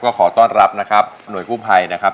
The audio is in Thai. ขอต้อนรับหน่วยกู้ภัยนะครับ